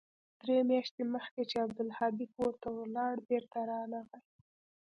درې مياشتې مخکې چې عبدالهادي کور ته ولاړ بېرته رانغى.